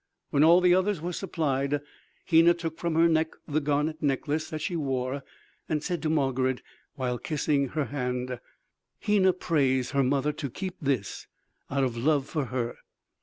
When all the others were supplied, Hena took from her neck the garnet necklace that she wore and said to Margarid while kissing her hand: "Hena prays her mother to keep this out of love for her."